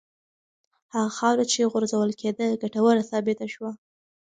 هغه خاوره چې غورځول کېده ګټوره ثابته شوه.